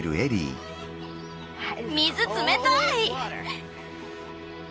水冷たい！